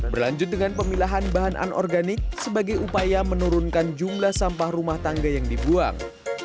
berlanjut dengan pemilahan bahan anorganik sebagai upaya menurunkan jumlah sampah rumah tangga yang dibuang